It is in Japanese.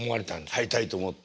入りたいと思って。